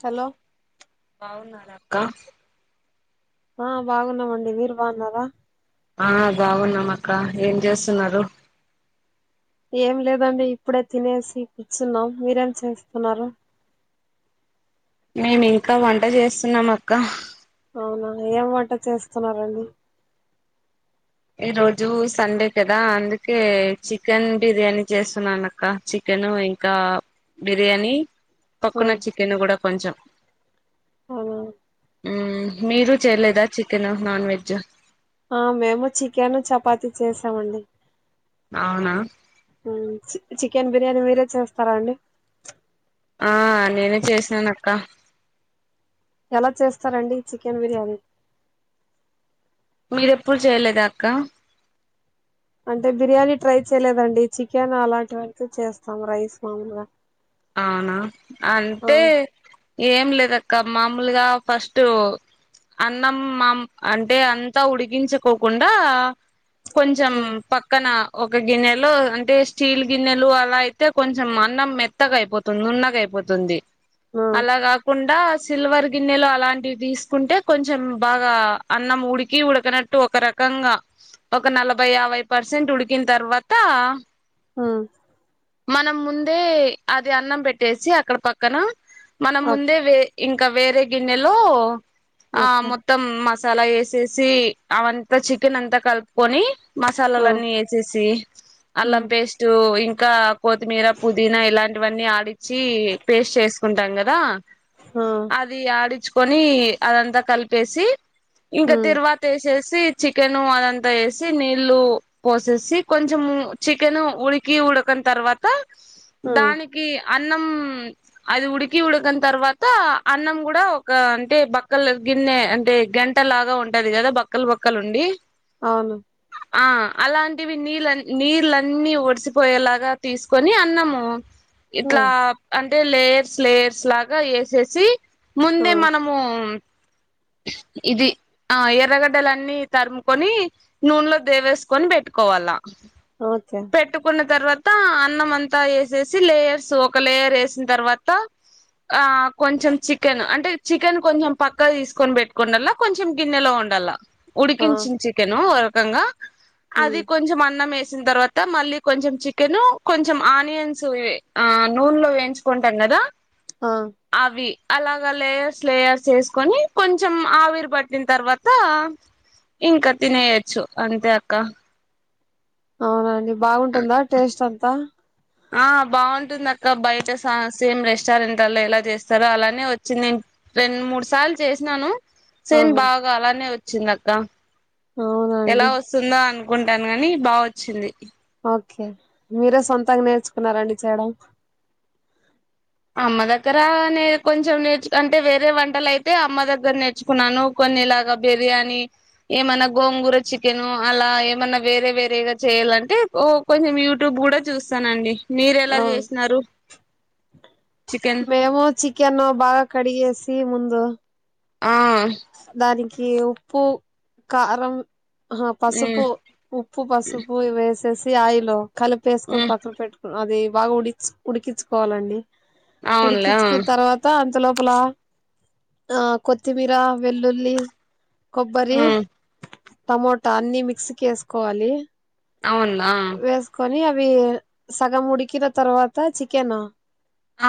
చల బాగున్నారా అక్కా ఆ బాగున్నామండి మీరు బాగున్నారా ఆ బాగున్నాము అక్క ఏం చేస్తున్నారు? ఏం లేదండి ఇప్పుడే తినేసి కూర్చున్నాం మీరేం చేస్తున్నారు? మేము ఇంకా వంట చేస్తున్నాం అక్క అవునా ఎం వంట చేస్తున్నారండి? ఈ రోజు సండే కదా అందుకే చికెన్ బిర్యానీ చేస్తున్నాన అక్కా చికెన్ ఇంకా బిర్యానీ తొక్కున చికెన్ కూడా కొంచెం ఆ మీరు చేయలేదా చికెన్ నాన్ వెజ్ ఆ మేము చికెన్ చపాతిీ చేసామండి. అవునా? హ్మ్మ్ చికెన్ బిర్యానీ మీరే చేస్తారా అండి? ఆ నేనే చేసినాను అక్కా ఎలా చేస్తారండి చికెన్ బిర్యానీ? మీరెప్పుడు చేయలేదా అక్కా? అంటే బిర్యానీ ట్రై చేయలేదండి చికెన్ అలాంటివైతే చేస్తాం రైస్ మామూలుగా అవునా ఆ అంటే ఏం లేదక్క మామూలుగా ఫస్ట్ అన్నం మా అంటే అంతా ఉడిగించకోకుండా కొంచం ఉమ్ పక్కన ఒక గిన్నెలో అంటే స్టీల్ గిన్నెలు అలా అయితే కొంచెం అన్నం మెత్ త్తగా అయిపోతుంది నున్నగయిపోతుంది ఆ అలాగాకుం సిల్వర్ గిన్నెలు అలాంటివి తీసుకుంటే కొంచెం బాగా అన్నం ఉడికి ఉడకనట్టు ఒక రకంగా ఒక నలభై యాభై పర్సెంట్ ఉడికిన తర్వాత ఆ మనం ముందే అది అన్నం పెట్టేసి అక్కడ పక్కన మనం ఓకే ముందే వే ఇం క వేరే గిన్నెలో ఆ ఓకే మొత్తం మస్ మసాలా వేసేసి అవంతా చికెన్ అంతా కలుపుకొని ఆ మసాలాలన్నీ వేసేసి ఉమ్ అల్లం పేస్ట్ ఇన్ కా కోతిమీరా పుదీనా ఇలా ఇవన్నీ ఆడిచ్చి పేస్ట్ చేసు కుంటాం కదా ఆ అది ఆడిచ్ కొని అదంతా కలిపేసి ఇంక ఉమ్ తిరువాత ఏసేస్ సి చికెన్ అదంతా ఏసి నీళ్ళు పోసేసి కొంచం చికెన్ ఉడికి ఉడకన తర్వాత ఉమ్ దాని అన్నం అది ఉడికి ఉడకన తర్వాత అన్నం కూడా ఒక అంటే బక్కలు గిన్నె అంటే గంట లాగా ఉంటది కదా బక్కల బక్కలు ఉండి అవును ఆ అలాంటివి నీళ్ళ నీళ్లన్నీ ఒడిసిపోయేలాగా తీసుకొని అన్నము ఆ ఇట్లా అన్ అంటే లేయర్స్ లేయర్స్ లాగా ఏసేసి ముందే ఆ మనము ఇది ఆ ఎర్రగడ్డలన్నీ తరుముకొని నూనెలో దేవేసుకొని పెట్టుకోవాలా ఓకే పెట్టుకున్న తర్వాత్ తా అన్నంమంతా ఏసేసి లేయర్స్ సు ఒక లేయర్ వేసిన తర్వాత ఆ కొంచెం చికెన్ అంటే చికెన్ కొంచెం పక్కకు తీసుకొని పెట్టుకుండల్లా కొంచెం గిన్నెలో ఉండల్ల ఆ ఉడికించిన చికెను ఒర గంగా అది ఉమ్ కొంచం అన్నమేస్, వచ్చిన తర్వాత మళ్లీ కొంచెం చికెన్, కొంచెం ఆనియన్స్ ఇవే. ఆ నూనెలో వేయించుకుంటాం కదా? ఆ అవి అలాగా లేయర్స్ లేయర్స్ ఏసుకొని, కొంచెం ఆవిరి పట్టిన్ తర్వాత ఇంకా తినేయొచ్చూ అంతే అక్క. అవునండీ. ఆ బాగుంటుందా టేస్ట్ అంతా? ఆ, బాగుంటుంది. అక్క బయట సా సేమ్ రెస్టారెంట్లలో ఎలా చేస్తారో, అలానే వచ్చింది. రెండు మూడు సార్లు చేసినాను. సేమ్ ఆహా బాగా అలానే వచ్చింది. చిన్నక్క. ఎలా అవునండి వస్తుందా? అ కుంటాను గానీ, బావోచ్చింది. ఓకే, మీరే సొంతంగా నేర్చుకున్నారండి చేయడం? అమ్మ దగ్గర నే కొంచెం నేర్చు అంటే వేరే వంటలైతే అమ్మ దగ్గర నేర్చుకున్నాను. కొన్నిలాగా బిర్యానీ ఏమన్నా, గోంగూర చికెన్ అలా ఏమన్నా వేరే వేరేగా చేయాలంటే కొంచెం యూట్యూబ్ కూడా చూస్తనండి. మీరెలా ఆ చేసినారు? చికెన్ మేము చికెన్ బాగా కడిగేసి, ముందు పో ఆ దాదాగ్ ఈ ఉప్పు, కారం ఆహా, ఉమ్ పసుపు, ఉప్పు పసుపు, ఇవేసి శశి ఆయిలు. కలిపేసుకొని ఉమ్ పక్కక్ పెట్టుకున్, అది బాగా ఉడిచి ఉడికించుకోవాలండి. అవునులే ఆ ఉడికించుకున్ తర్వాత, అంతలోప్ పూలా ఆ కొత్తిమీరా. వెల్లుల్లి, కొబ్బరి, ఉమ్ టమోటా అన్ని మిక్స్ కేసుకోవాలి. అవును ఆ వేసుకొని అవి అవి సగం ఉడికిన తర్వాత, చికెన్‌ను. ఆ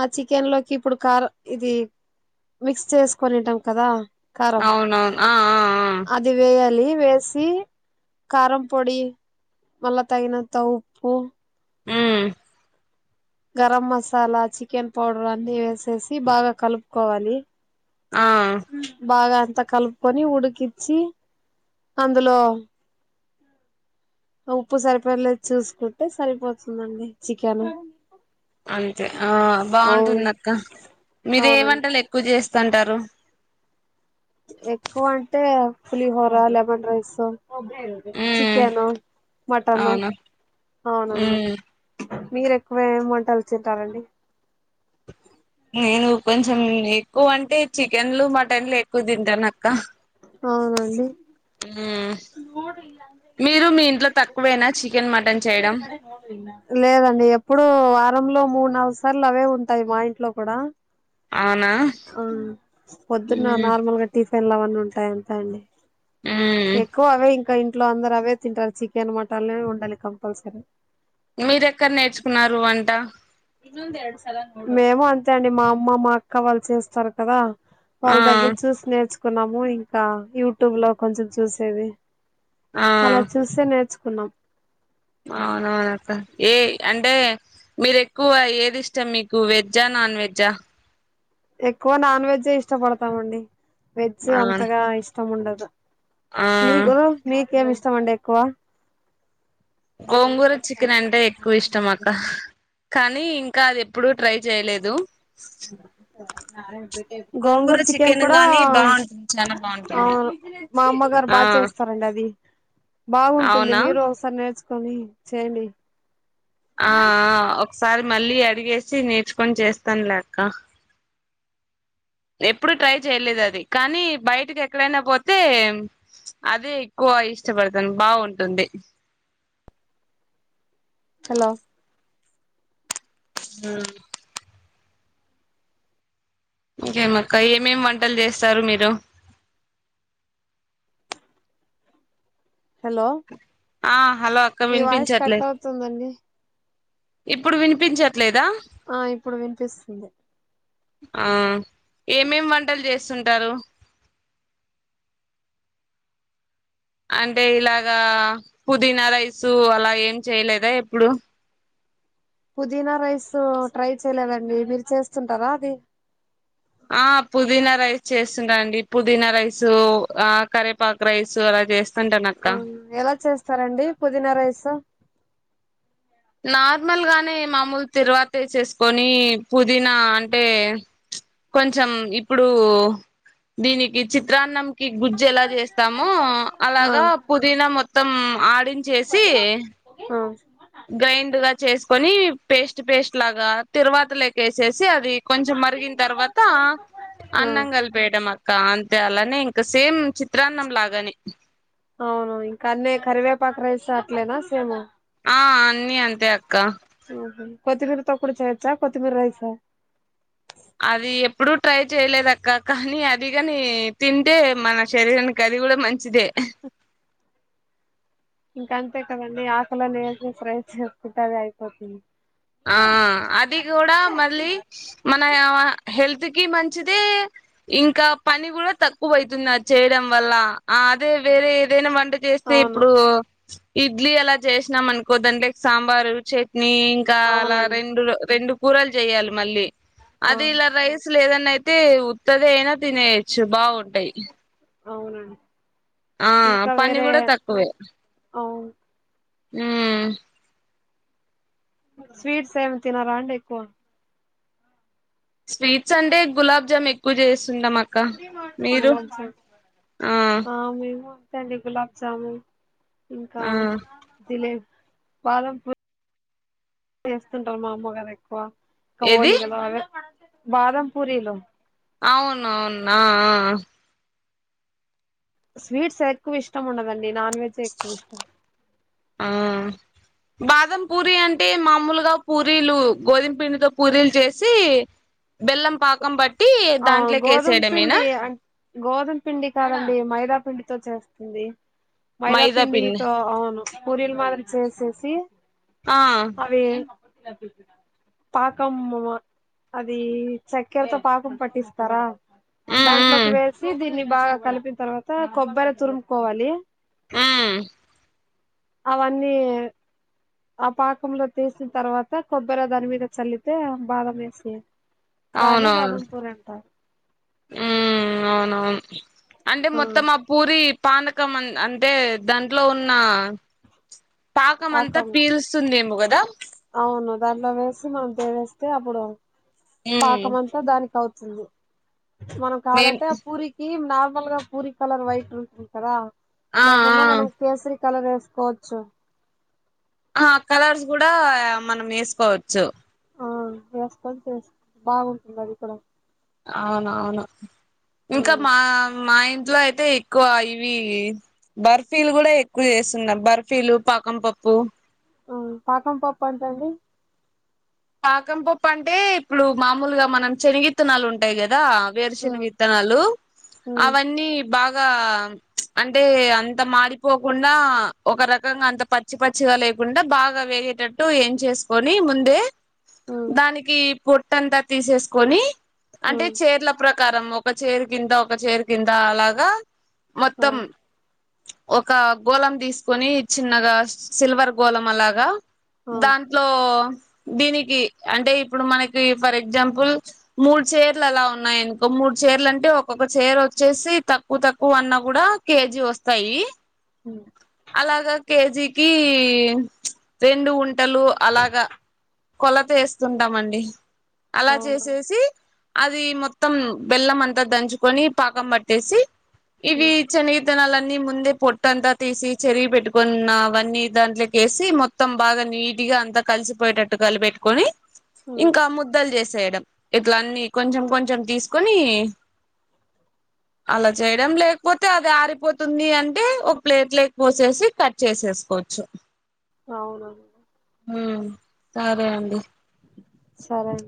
ఆ చికెన్ లోకి ఇప్పుడు కారం, ఇది మిక్స్ చేసు కొని ఉంటాం కదా. కారం అవునవును, ఆ.. ఆ... ఆ.. అది వేయాలి వేసి, కారం పొడి, మళ్లా తగినంత ఉప్పు. హుమ్ గరం మసాలా చికెన్ పౌడర్ అన్ని ఏసేసి బాగా కలుపుకోవాలి ఆ అంత కలుపుకొని ఉడికిచ్చి అందులో ఉప్పు సరిపోయిందా లేదో చూసుకుంటే సరిపోతుందండి చికెన్ అంతే ఆ అవును బాగుంటుంది అక్క మీరు ఏ అవునండి వంటలు ఎక్కువ చేస్తంటారు ఎక్కువ అంటే పులిహోర లెమన్ రైసు ఉమ్ చికెను మటను అవును అవునండి ఉమ్ మీరు ఎక్కువ ఏం వంటలు తింటారండి నేను కొంచెం ఎక్కువ అంటే చికెన్లు మటన్లు ఎక్కువ తింటా నాకు అవునండి ఉమ్ మీరు మీ ఇంట్లో తక్కువేనా చికెన్ మటన్ చేయడం లేదండి ఎప్పుడూ వారంలో మూడు నాలుగు సార్లు అవే ఉంటాయ్ మా ఇంట్లో కూడా అవునా హుమ్ పొద్దున్న ఉమ్ నార్మల్గా టీఫిన్ లా అవ్వని ఎంత అండి ఉమ్ ఎక్కువ అవే ఇంకా ఇంకా ఇంట్లో అందరు అవే తింటాం చికెన్ మటన్ లే ఉండాలి కంపల్సరీ మీరు ఎక్కడ నేర్చుకున్నారు వంట మేము అంతే అండి మా అమ్మ మా అక్క వాళ్ళు చేస్తరు కదా ఆ వాళ్ళ దగ్గర చూసి నేర్చు కున్నాము ఇంకా యూట్యూబ్ లో కొంచెం చూసేది అలా చూసె నేర్చుకున్నాం అవునా ఏ అంటే మీరు ఎక్కువ ఏది ఇష్టం మీకు వెజ్జా నాన్ వెజ్జా ఎక్కువ నాన్ వెజే ఇష్టపడతామండి వెజ్ ఆ అంతగా ఇష్టం ముండదు ఆ మీకు మీకేం ఇష్టం ఇష్ట మండి ఎక్కువా గోంగుర చికెన్ అంటే ఎక్కువ ఇష్టం అక్క కానీ ఇంకా అది ఎప్పుడు ట్రై చేయలేదు గోంగూర గోంగుర చికెన్ కూడా గాని బాగుంటుంది చాలా ఆ బాగుంటుంది మా అమ్మగారు ఆ బా చేస్తారండి అది బావుటుంది అవునా మీరు ఒకసారి నేర్చు కానీ చేయను ఆ ఆ ఒక్ ఈ సారి మళ్ళీ అడిగేసి నేర్చుకొని చేస్తాను లే అక్క ఎప్పుడు ట్రై చేయలేదు అది కానీ బయటికి ఎక్కడైనా పోతే అదే ఎక్కువ ఇష్టపడుతాను బావుంటుంది హాలో హుమ్ ఇంకేమక్క ఏమేమి వంటలు చేస్తారు మీరు హలో ఆ హలో అక్క మీ వాయిస్ కట్ వినిపించట్లేదు అవుతుందండీ ఇప్పుడు వినిపించట్ ఆ ఇప్పుడు వినిపిస్తుంది ఆ ఏమేమి వంటలు చేస్ చేస్తుంటరు అంటే ఇలాగా పుదీనా రైసు అలా ఏం చేయలేదా ఎప్పుడు పుదీనా రైసు ట్రై చేయలేదండి మీరు చేస్తుంటారా అది ఆ పుదీనా రైస్ చేస్తుంట అండి పుదీనా రైసు ఆ కరేపాక్ రైస్‌ అలా చేస్త హుమ్ ఎలా చేస్తారండి పుదీనా రైసు నార్మల్ గానే మామూలు తిరువాతేసెస్ కొని పుదీనా అంటే ప్చ్ కొంచెం ఇప్పుడు దీనికి చిత్రాన్నంకి గుజ్జు ఎలా చేస్త చేస్తామో ఆ అలాగా పుదీనా మొత్తం మొత్తం ఆడించేసి ఆ ఆ గ్రైండ్ గా చేసుకొని పేస్ట్ పేస్ట్ లాగా తిరువాత లేకి యేసేసి అది కొంచెం మరిగిన తర్వాత అన్నం కలిపేయడం అక్కా అలానే ఇంకా సేమ్ చిత్రాన్నం లాగానే అవును ఇంక అన్ని కరివేపాక్ రైస్ అట్లేనా సేమ్ ఆ అన్ని అంతే అక్క ఆహా కొత్తిమీర తో కూడ చేయచ్చా కొత్తి మీర రైసు అది ఎప్పుడూ ట్రై చేయలేదు అక్క కానీ అదిగాని తింటే మన శరీరానికి అది కూడా మంచిదే ఇంక అంతే కదండి ఆకులనేది ఫ్రై చేసుకుంటే అదే అయిపోతుంది ఆ అది కూడా మళ్ళీ మనా హెల్త్ కి మంచిదే ఇంకా పని గుడా తక్కువైతుంది అది చేయడం వల్ల ఆ అదే వేరే ఏదైనా వంట చేస్తే అవును ఇప్పుడూ ఇడ్లీ అలా చేసినం అనుకో దాంట్లేకి సాంబారు చట్నీ ఇకా అలా అవునండి రెండు రెండు కూరలు చెయ్యాలి మళ్ళీ ఆ అది ఇలా రైస్ ఏదన్నయితే ఉత్తదయినా తినే బాగుంటాయ్ అఅవునండి ఆ పని గుడా తక్కువే అవును హుమ్ స్వీట్స్ ఏం తినరా అండి ఎక్కువ స్వీట్స్ అంటే గులాబ్ జామ్ ఎక్కువ చేస్ తింటామ్ అక్క మీరు గులాబ్ జామ్ ఆ ఎట్లండి గులాబీ జామున్ ఇంకా ఆ జిలేబ్ బాదం పూ చేస్తుంటారు మా అమ్మగారు ఎక్కువ ఇంక ఏది ఒలిగలు అవే బాదం పూరీలు అవునవును ఆ ఆ స్వీట్స్ ఎక్కువ ఇష్టం ఉండదండి నెన్ నాన్ వెజే ఎక్కువ ఇష్టం ఆ బాదం పూరీ అంటే మామూలుగా పూరీలు గోధుమ పిండితో పూరీలు చేసి బెల్లం పాకం బెట్ ఆ గోధుమ పిండి అ గోధుమ పిండి కాదండి మైదాపిండి తో చేస్తుంది మైదా పిండి మైదాపిండితో అవును పూరిలు మాదిరి చేసేసి సి ఆ అదీ పాకం ఆది చక్కరతో పాకం పట్టిస్తారా మ్మ్ దాంట్లోకి మ్మ్ వేసి దీన్ని బాగా కలిపిన తర్వాత కొబ్బరి తురుము కోవాలి హుమ్ అవన్నీ ఆ పాకంలో తీసిన తర్వాత కొబ్బరి దాని మీద చల్లితే బాదం ఏసి అవునవును హుమ్ అవునవును అంటే మొత్తం ఆ పూరి పానకం అంటే దాంట్లో ఉన్న పాకం అంతా పీలుస్తుంది మో గదా అవును దానిలో వేసి మనం దేవేస్తే అప్పుడు పాకం అంతా దానికి అవుతు సోల్లు మనం మేం కావాలంటే ఆ పూరికి నార్మల్ గా పూరి కలర్ వైట్ ఉంటుంది కదా ఆ లేకుండా మనం కేసీరీకి కలర్ వేసుకోవచ్చు. ఆ కలర్స్ కూడా మనం వేసుకోవచ్చు. ఆ చేసుకొని చేస్తుంటే బాగుంటుంది. అది ఇక్కడ అవును అవును ఆ ఇంకా మా మా ఇంటి ఇట్లో అయితే ఎక్కువ ఇవి బర్ఫీలు కూడా ఎక్కువ చేస్తున్నారు బర్ఫీలు పాకం పప్పు ఆ పాకం పప్పు అంటండీ. పాకం పప్పు అంటే ఇప్పుడు మామూలుగా మనం శనగిత్తనాలు ఉంటాయి కదా కదా ఉమ్ వేరుశెనగిత్తనాలు ఉమ్ అవన్నీ బాగా అంటే అంత మాడిపోకుండా ఒక రకంగా అంత పచ్చి పచ్చిగా లేకుండా బాగా వేగేటట్టు ఏంచేసుకొని ముందే ఉమ్ దానికి పొట్ పొట్టంత తీసేస్కొని అంటే ఉమ్ చేర్ల ప్ర కారం ఒక చేరు కింత ఒక చేరు కింత అలాగా ఆ మొత్తం ఒక గోళం తీసుకొని చిన్నగా సిల్వర్ గోళం అలాగా ఆ దాంట్లో దీనికి దీనికి అంటే ఇప్పుడు మనకి ఫర్ ఎగ్జాంపుల్ మూడు చేర్లు అలా ఉన్నాయనుకో మూడు చేర్లు అంటే ఒక్కొక్క చేర్ వచ్చేసి తక్కువ తక్కువ అన్న గుడ కేజీ వస్తాయి. ఉమ్ అలాగా కేజీకీ రెండు ఉంట ఉంటాలు అలాగా కొలత ఏస్తుంటామండి. అలా అవునా చేసేసి అది మొత్తం బెల్లం అంతా దంచుకొని పాకం పట్టేసి ఇవి ఉమ్ చని విత్తనాలన్నీ ముందే పొట్టంతా తీసి చెరిగి పెట్టుకున్న అవన్నీ దాంట్లోకేసి మొత్తం బాగా నీటిగా అంతా కలిసిపోయేటట్టు కాలబెట్టుకొని ఉమ్ ఇంకా ముద్దలు చేసేయడం ఇట్ల అన్నీ కొంచం కొంచం తీసుకొని అలా చేయడం లేకపోతే అది ఆరిపోతుంది అంటే ఒక ప్లేట్లకు పోసేసి కట్ చేసేసుకోవచ్చు. అవునా అ సరే అండి సరే అండి